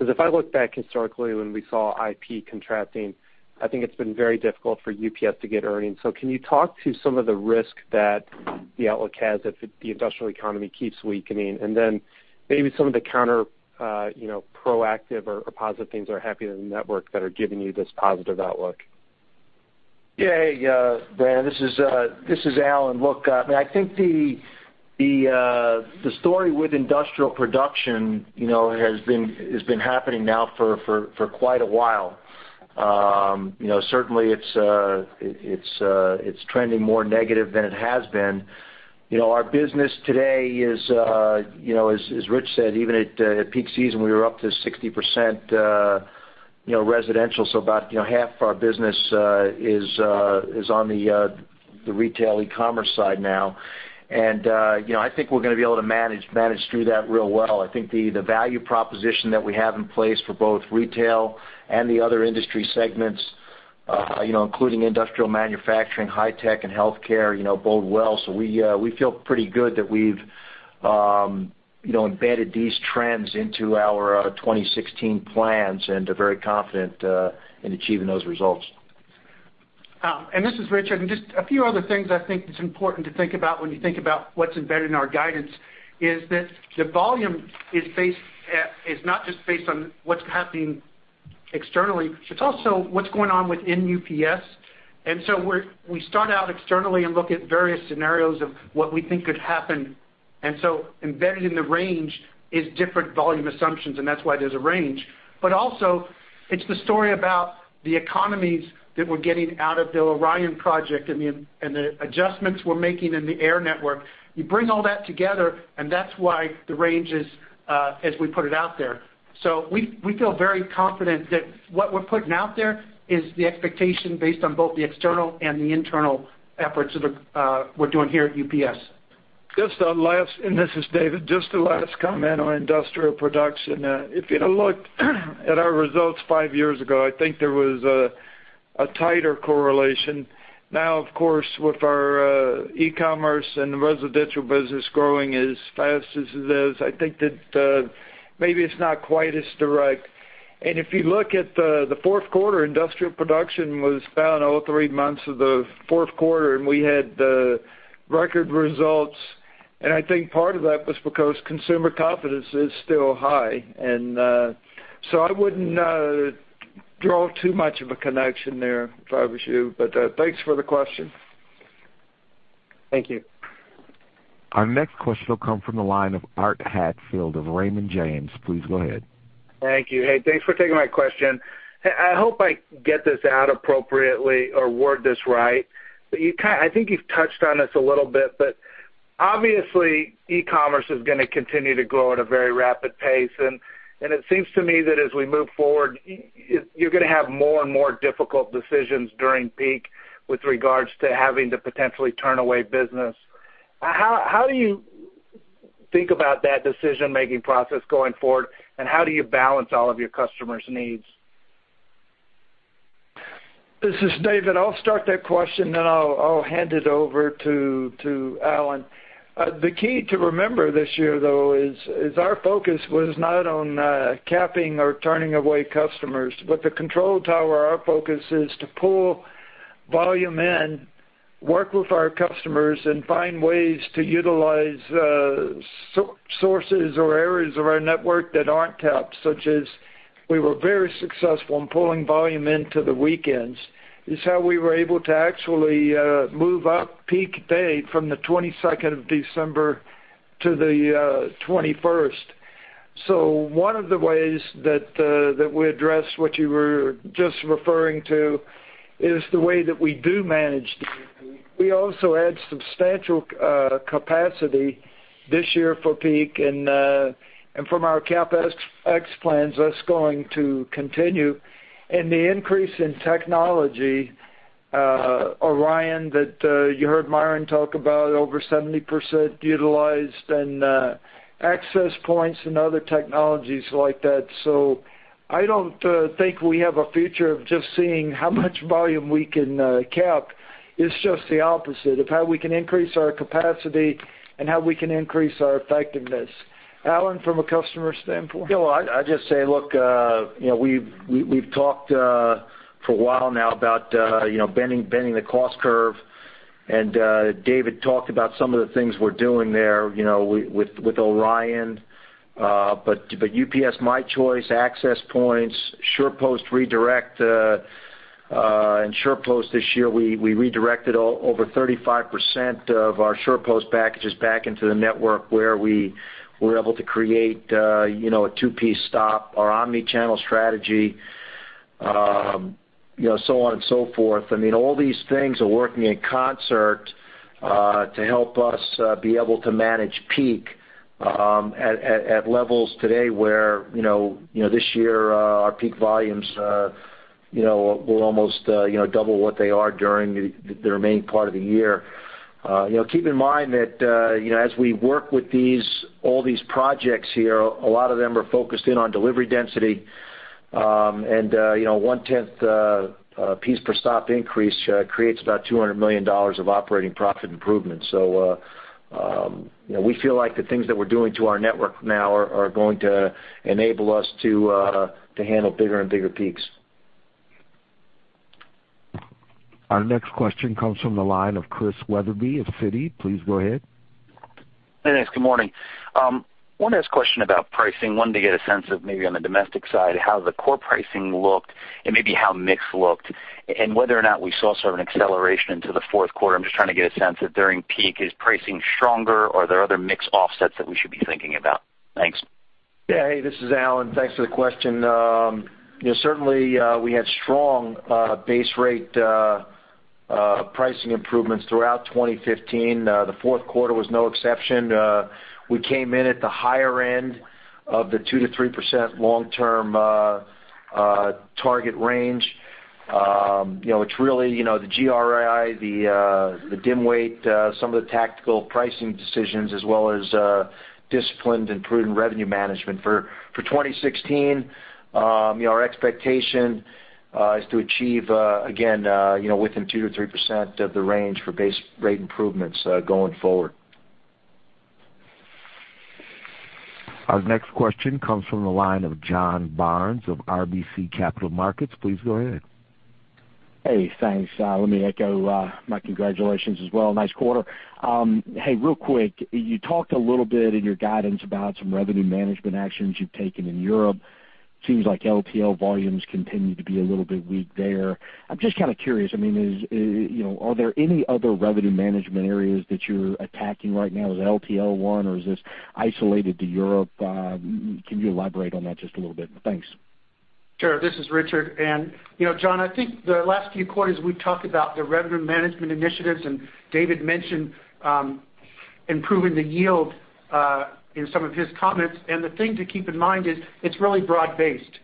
If I look back historically when we saw IP contracting, I think it's been very difficult for UPS to get earnings. Can you talk to some of the risk that the outlook has if the industrial economy keeps weakening? Maybe some of the counter proactive or positive things are happening in the network that are giving you this positive outlook. Hey, Dan. This is Alan. Look, I think the story with industrial production has been happening now for quite a while. Certainly, it is trending more negative than it has been. Our business today is, as Rich said, even at peak season, we were up to 60% residential, so about half of our business is on the retail e-commerce side now. I think we are going to be able to manage through that real well. I think the value proposition that we have in place for both retail and the other industry segments, including industrial manufacturing, high tech, and healthcare, bode well. We feel pretty good that we have embedded these trends into our 2016 plans and are very confident in achieving those results. This is Rich. Just a few other things I think that is important to think about when you think about what is embedded in our guidance is that the volume is not just based on what is happening externally, it is also what is going on within UPS. We start out externally and look at various scenarios of what we think could happen. Embedded in the range is different volume assumptions, and that is why there is a range. Also, it is the story about the economies that we are getting out of the ORION project and the adjustments we are making in the air network. You bring all that together, and that is why the range is as we put it out there. We feel very confident that what we are putting out there is the expectation based on both the external and the internal efforts that we are doing here at UPS. This is David. Just a last comment on industrial production. If you look at our results five years ago, I think there was a tighter correlation. Now, of course, with our e-commerce and the residential business growing as fast as it is, I think that maybe it is not quite as direct. If you look at the fourth quarter, industrial production was down all three months of the fourth quarter, and we had record results. I think part of that was because consumer confidence is still high. I would not draw too much of a connection there if I was you. Thanks for the question. Thank you. Our next question will come from the line of Art Hatfield of Raymond James. Please go ahead. Thank you. Hey, thanks for taking my question. I hope I get this out appropriately or word this right. I think you've touched on this a little bit, but obviously e-commerce is going to continue to grow at a very rapid pace, and it seems to me that as we move forward, you're going to have more and more difficult decisions during peak with regards to having to potentially turn away business. How do you think about that decision-making process going forward, and how do you balance all of your customers' needs? This is David. I'll start that question, then I'll hand it over to Alan. The key to remember this year, though, is our focus was not on capping or turning away customers. With the control tower, our focus is to pull volume in, work with our customers and find ways to utilize sources or areas of our network that aren't capped, such as we were very successful in pulling volume into the weekends, is how we were able to actually move up peak day from the 22nd of December to the 21st. One of the ways that we address what you were just referring to is the way that we do manage. We also add substantial capacity this year for peak and from our CapEx plans, that's going to continue. The increase in technology, ORION, that you heard Myron talk about, over 70% utilized and access points and other technologies like that. I don't think we have a future of just seeing how much volume we can cap. It's just the opposite of how we can increase our capacity and how we can increase our effectiveness. Alan, from a customer standpoint? Well, I'd just say, look, we've talked for a while now about bending the cost curve. David talked about some of the things we're doing there with ORION. UPS My Choice, Access Points, SurePost Redirect. In SurePost this year, we redirected over 35% of our SurePost packages back into the network where we were able to create a 2-piece stop, our omnichannel strategy so on and so forth. All these things are working in concert to help us be able to manage peak at levels today where this year our peak volumes will almost double what they are during the remaining part of the year. Keep in mind that as we work with all these projects here, a lot of them are focused in on delivery density, and one-tenth piece per stop increase creates about $200 million of operating profit improvement. We feel like the things that we're doing to our network now are going to enable us to handle bigger and bigger peaks. Our next question comes from the line of Christian Wetherbee of Citi. Please go ahead. Thanks. Good morning. I want to ask a question about pricing. One, to get a sense of maybe on the domestic side how the core pricing looked and maybe how mix looked and whether or not we saw sort of an acceleration into the fourth quarter. I'm just trying to get a sense of during peak, is pricing stronger or are there other mix offsets that we should be thinking about? Thanks. Hey, this is Alan. Thanks for the question. Certainly, we had strong base rate pricing improvements throughout 2015. The fourth quarter was no exception. We came in at the higher end of the 2%-3% long-term target range. It's really the GRI, the dimensional weight, some of the tactical pricing decisions as well as disciplined and prudent revenue management. For 2016, our expectation is to achieve again within 2% or 3% of the range for base rate improvements going forward. Our next question comes from the line of John Barnes of RBC Capital Markets. Please go ahead. Hey, thanks. Let me echo my congratulations as well. Nice quarter. Real quick, you talked a little bit in your guidance about some revenue management actions you've taken in Europe. Seems like LTL volumes continue to be a little bit weak there. I'm just kind of curious, are there any other revenue management areas that you're attacking right now? Is LTL one or is this isolated to Europe? Can you elaborate on that just a little bit? Thanks. Sure. This is Richard. John, I think the last few quarters we've talked about the revenue management initiatives, and David mentioned improving the yield in some of his comments. The thing to keep in mind is it's really broad based.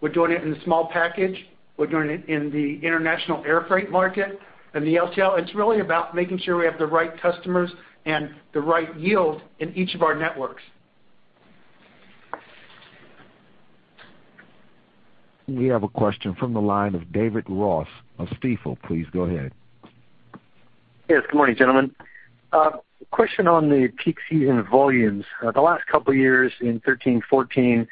We're doing it in the small package. We're doing it in the international air freight market and the LTL. It's really about making sure we have the right customers and the right yield in each of our networks. We have a question from the line of David Ross of Stifel. Please go ahead. Yes. Good morning, gentlemen. Question on the peak season volumes. The last couple of years in 2013, 2014,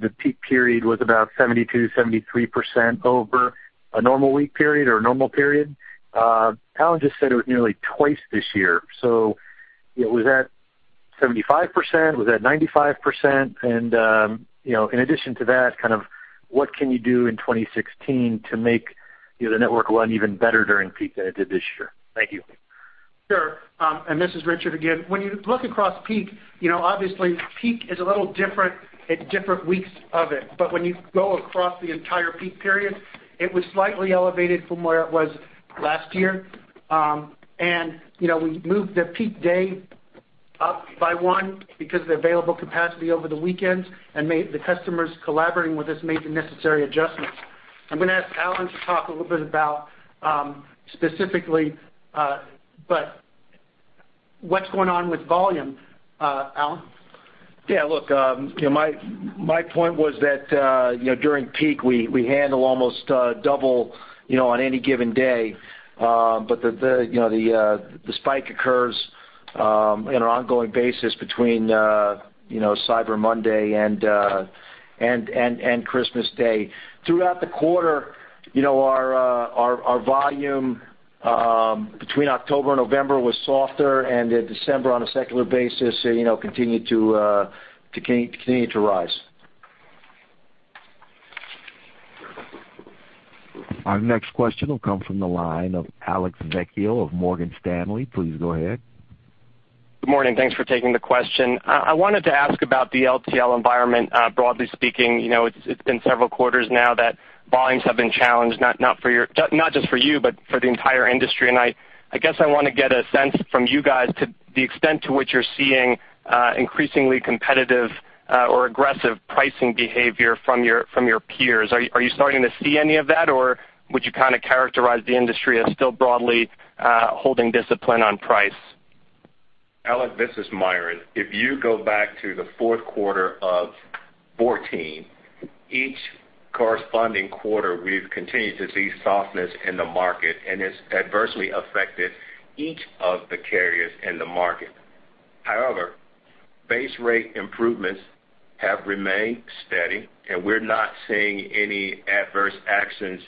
the peak period was about 72%, 73% over a normal week period or a normal period. Alan just said it was nearly twice this year. Was that 75%? Was that 95%? In addition to that, what can you do in 2016 to make the network run even better during peak than it did this year? Thank you. Sure. This is Richard again. When you look across peak, obviously peak is a little different at different weeks of it. When you go across the entire peak period, it was slightly elevated from where it was last year. We moved the peak day up by one because of the available capacity over the weekend, and the customers collaborating with us made the necessary adjustments. I'm going to ask Alan to talk a little bit about specifically, but what's going on with volume. Alan? Yeah, look, my point was that during peak, we handle almost double on any given day. The spike occurs in an ongoing basis between Cyber Monday and Christmas Day. Throughout the quarter, our volume between October and November was softer, in December on a secular basis, continued to rise. Our next question will come from the line of Alex Vecchio of Morgan Stanley. Please go ahead. Good morning. Thanks for taking the question. I wanted to ask about the LTL environment. Broadly speaking, it's been several quarters now that volumes have been challenged, not just for you, but for the entire industry. I guess I want to get a sense from you guys to the extent to which you're seeing increasingly competitive or aggressive pricing behavior from your peers. Are you starting to see any of that, or would you characterize the industry as still broadly holding discipline on price? Alex, this is Myron. If you go back to the fourth quarter of 2014, each corresponding quarter, we've continued to see softness in the market, and it's adversely affected each of the carriers in the market. However, base rate improvements have remained steady, and we're not seeing any adverse actions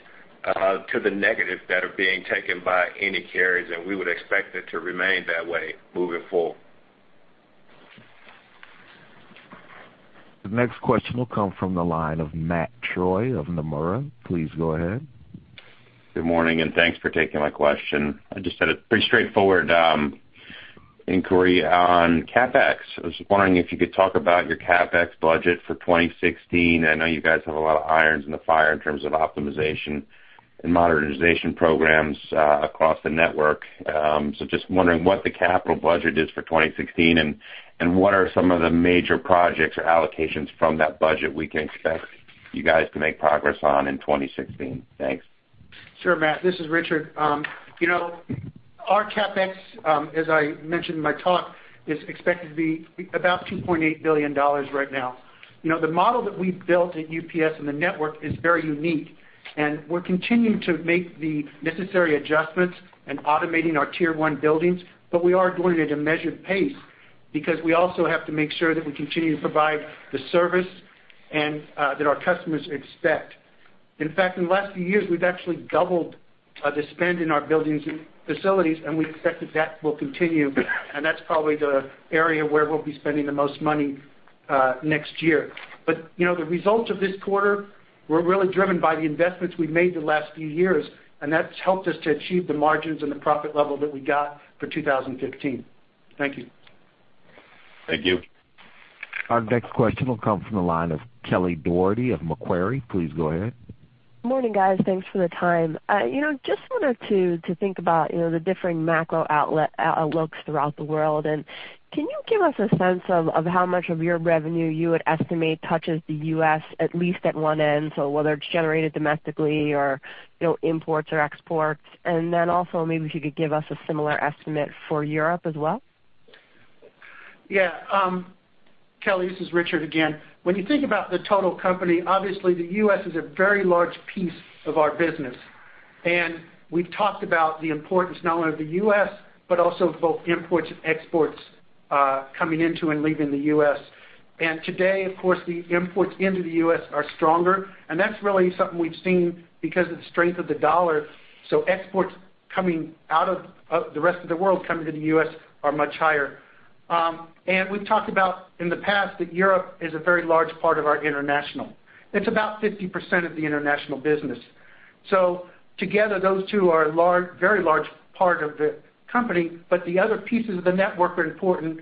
to the negative that are being taken by any carriers, and we would expect it to remain that way moving forward. The next question will come from the line of Matthew Troy of Nomura. Please go ahead. Good morning, and thanks for taking my question. I just had a pretty straightforward inquiry on CapEx. I was wondering if you could talk about your CapEx budget for 2016. I know you guys have a lot of irons in the fire in terms of optimization and modernization programs across the network. Just wondering what the capital budget is for 2016, and what are some of the major projects or allocations from that budget we can expect you guys to make progress on in 2016? Thanks. Sure, Matt. This is Richard. Our CapEx, as I mentioned in my talk, is expected to be about $2.8 billion right now. The model that we've built at UPS in the network is very unique, and we're continuing to make the necessary adjustments and automating our tier 1 buildings. We are doing it at a measured pace because we also have to make sure that we continue to provide the service that our customers expect. In fact, in the last few years, we've actually doubled the spend in our buildings and facilities, and we expect that will continue, and that's probably the area where we'll be spending the most money next year. The results of this quarter were really driven by the investments we've made the last few years, and that's helped us to achieve the margins and the profit level that we got for 2015. Thank you. Thank you. Our next question will come from the line of Kelly Dougherty of Macquarie. Please go ahead. Morning, guys. Thanks for the time. Just wanted to think about the differing macro outlooks throughout the world. Can you give us a sense of how much of your revenue you would estimate touches the U.S., at least at one end, so whether it's generated domestically or imports or exports? Also maybe if you could give us a similar estimate for Europe as well? Yeah. Kelly, this is Richard again. When you think about the total company, obviously the U.S. is a very large piece of our business. We've talked about the importance not only of the U.S., but also both imports and exports coming into and leaving the U.S. Today, of course, the imports into the U.S. are stronger, and that's really something we've seen because of the strength of the dollar. Exports coming out of the rest of the world coming to the U.S. are much higher. We've talked about in the past that Europe is a very large part of our international. It's about 50% of the international business. Together, those two are a very large part of the company, but the other pieces of the network are important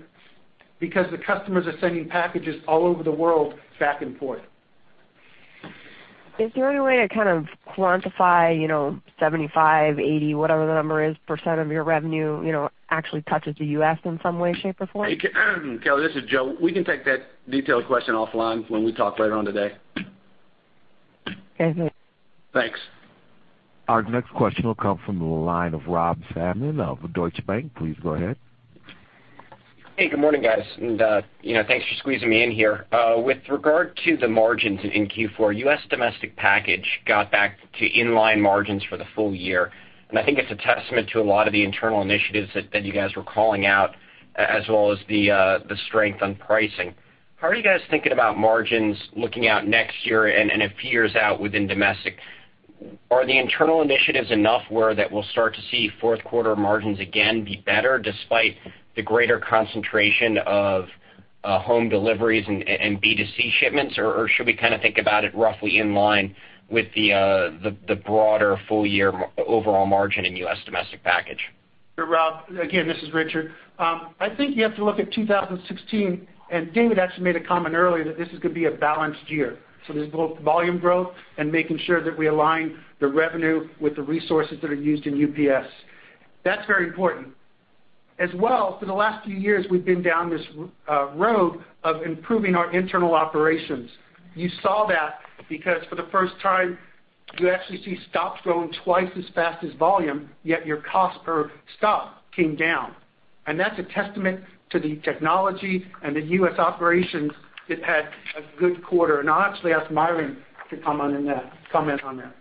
because the customers are sending packages all over the world back and forth. Is there any way to kind of quantify, 75, 80, whatever the number is, % of your revenue actually touches the U.S. in some way, shape, or form? Kelly, this is Joe. We can take that detailed question offline when we talk later on today. Thanks. Our next question will come from the line of Rob Salmon of Deutsche Bank. Please go ahead. Hey, good morning, guys, thanks for squeezing me in here. With regard to the margins in Q4, U.S. Domestic Package got back to in-line margins for the full year, I think it's a testament to a lot of the internal initiatives that you guys were calling out, as well as the strength on pricing. How are you guys thinking about margins looking out next year and a few years out within domestic? Are the internal initiatives enough where that we'll start to see fourth quarter margins again be better despite the greater concentration of home deliveries and B2C shipments? Should we think about it roughly in line with the broader full-year overall margin in U.S. Domestic Package? Rob, again, this is Richard. I think you have to look at 2016, David actually made a comment earlier that this is going to be a balanced year. There's both volume growth and making sure that we align the revenue with the resources that are used in UPS. That's very important. As well, for the last few years, we've been down this road of improving our internal operations. You saw that because for the first time, you actually see stops growing twice as fast as volume, yet your cost per stop came down. That's a testament to the technology and the U.S. operations. It had a good quarter. I'll actually ask Myron to comment on that.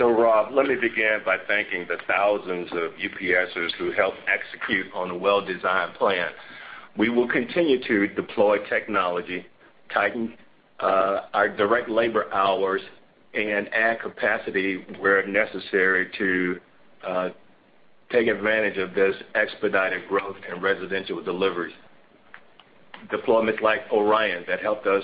Rob, let me begin by thanking the thousands of UPSers who helped execute on a well-designed plan. We will continue to deploy technology, tighten our direct labor hours, add capacity where necessary to take advantage of this expedited growth in residential deliveries. Deployments like ORION that helped us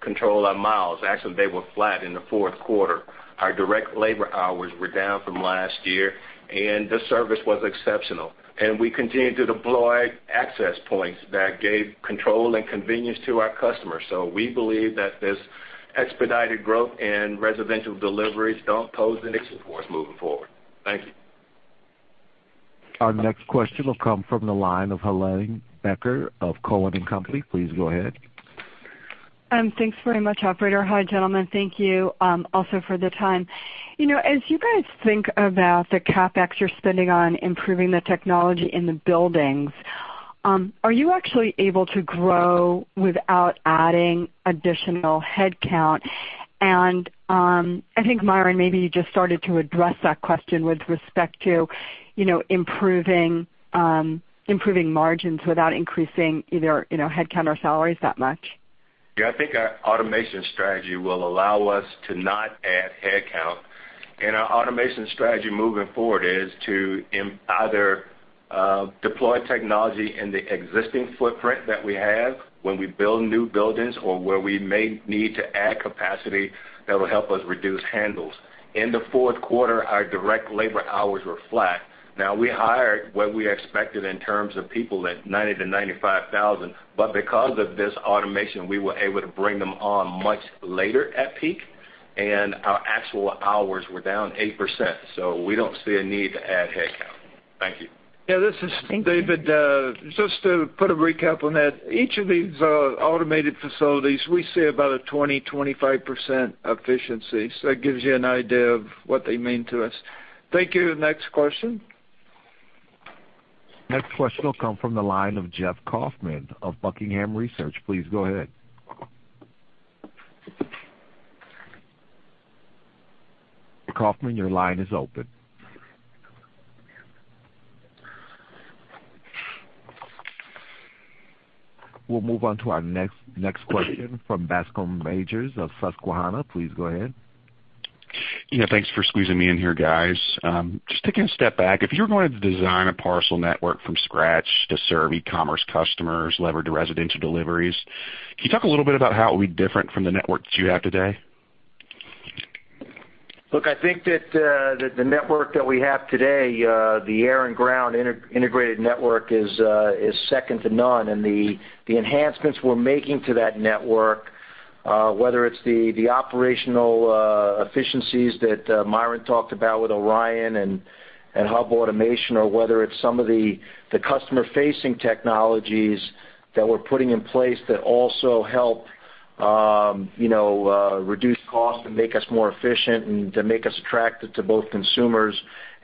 control our miles. Actually, they were flat in the fourth quarter. Our direct labor hours were down from last year, the service was exceptional. We continued to deploy access points that gave control and convenience to our customers. We believe that this expedited growth in residential deliveries don't pose an issue for us moving forward. Thank you. Our next question will come from the line of Helane Becker of Cowen and Company. Please go ahead. Thanks very much, operator. Hi, gentlemen. Thank you also for the time. As you guys think about the CapEx you're spending on improving the technology in the buildings, are you actually able to grow without adding additional headcount? I think, Myron, maybe you just started to address that question with respect to improving margins without increasing either headcount or salaries that much. Yeah, I think our automation strategy will allow us to not add headcount. Our automation strategy moving forward is to either deploy technology in the existing footprint that we have when we build new buildings or where we may need to add capacity that will help us reduce handles. In the fourth quarter, our direct labor hours were flat. Now, we hired what we expected in terms of people at 90,000-95,000, but because of this automation, we were able to bring them on much later at peak, and our actual hours were down 8%. We don't see a need to add headcount. Thank you. Thank you. Yeah, this is David. Just to put a recap on that, each of these automated facilities, we see about a 20%, 25% efficiency. That gives you an idea of what they mean to us. Thank you. Next question. Next question will come from the line of Jeff Kaufman of Buckingham Research. Please go ahead. Kaufman, your line is open. We'll move on to our next question from Bascome Majors of Susquehanna. Please go ahead. Yeah, thanks for squeezing me in here, guys. Just taking a step back. If you were going to design a parcel network from scratch to serve e-commerce customers levered to residential deliveries, can you talk a little bit about how it'll be different from the network that you have today? Look, I think that the network that we have today, the air and ground integrated network is second to none. The enhancements we're making to that network, whether it's the operational efficiencies that Myron talked about with ORION and hub automation or whether it's some of the customer-facing technologies that we're putting in place that also help reduce cost and make us more efficient and to make us attractive to both consumers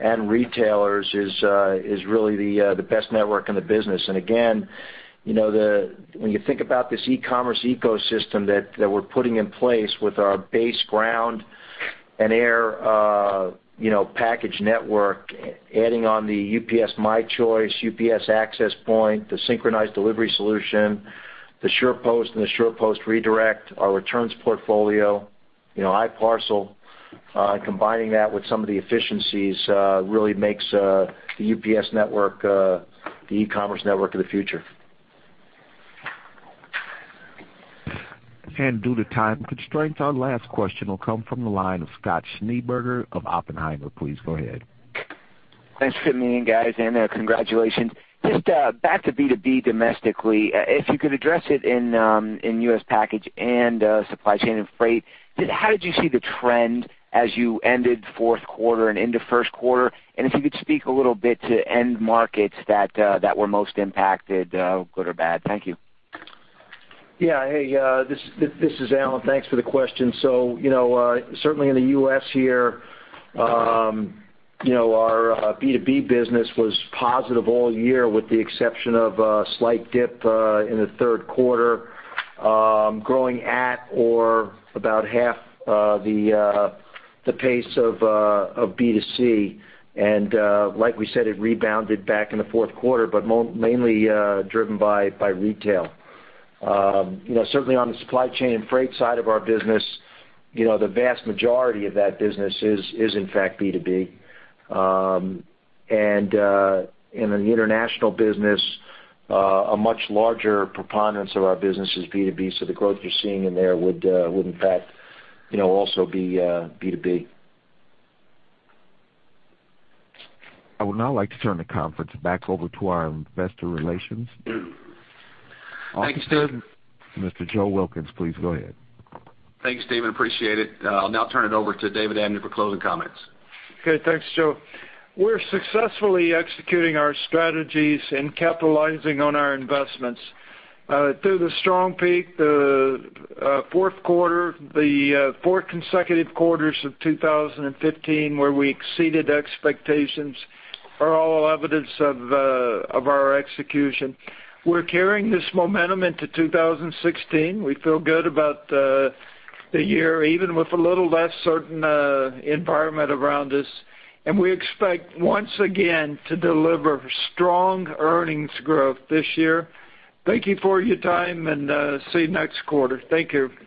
and retailers is really the best network in the business. Again, when you think about this e-commerce ecosystem that we're putting in place with our base ground and air package network, adding on the UPS My Choice, UPS Access Point, the Synchronized Delivery solution, the UPS SurePost and the UPS SurePost Redirect, our returns portfolio, i-parcel, combining that with some of the efficiencies really makes the UPS network the e-commerce network of the future. Due to time constraints, our last question will come from the line of Scott Schneeberger of Oppenheimer. Please go ahead. Thanks for fitting me in, guys, and congratulations. Just back to B2B domestically, if you could address it in U.S. Package and supply chain and freight, how did you see the trend as you ended fourth quarter and into first quarter? If you could speak a little bit to end markets that were most impacted, good or bad. Thank you. Yeah. Hey, this is Alan. Thanks for the question. Certainly in the U.S. here, our B2B business was positive all year with the exception of a slight dip in the third quarter, growing at or about half the pace of B2C. Like we said, it rebounded back in the fourth quarter, but mainly driven by retail. Certainly on the supply chain and freight side of our business, the vast majority of that business is in fact B2B. In the international business, a much larger preponderance of our business is B2B. The growth you're seeing in there would in fact also be B2B. I would now like to turn the conference back over to our investor relations. Thanks, David. Mr. Joe Wilkins, please go ahead. Thanks, David, appreciate it. I'll now turn it over to David Abney for closing comments. Okay. Thanks, Joe. We're successfully executing our strategies and capitalizing on our investments. Through the strong peak, the fourth quarter, the four consecutive quarters of 2015 where we exceeded expectations are all evidence of our execution. We're carrying this momentum into 2016. We feel good about the year, even with a little less certain environment around us, and we expect once again to deliver strong earnings growth this year. Thank you for your time, and see you next quarter. Thank you